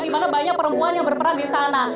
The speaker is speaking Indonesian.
dimana banyak perempuan yang berperan di sana